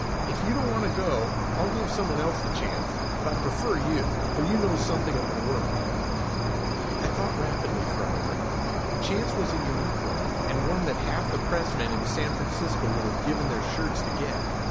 If you don't want to go, I'll give some one else the chance, but I prefer you, for you know something of my work." I thought rapidly for a moment. The chance was a unique one and one that half the press men in San Francisco would have given their shirts to get.